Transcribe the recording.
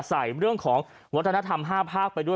ใส่เรื่องของวัฒนธรรม๕ภาคไปด้วย